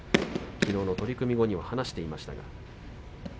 きのうの取組後に話していました。